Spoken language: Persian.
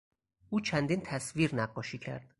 او چندین تصویر نقاشی کرد.